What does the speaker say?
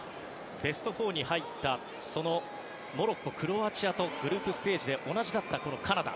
ベスト４に入ったモロッコ、クロアチアとグループステージで同じだったカナダ。